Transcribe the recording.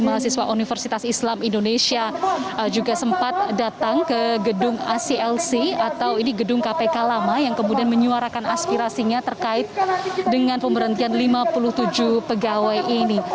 mahasiswa universitas islam indonesia juga sempat datang ke gedung aclc atau ini gedung kpk lama yang kemudian menyuarakan aspirasinya terkait dengan pemberhentian lima puluh tujuh pegawai ini